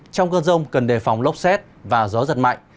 trong cơn rông cần đề phòng lốc xét và gió giật mạnh